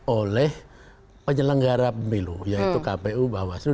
oleh penyelenggara pemilu yaitu kpu bawaslu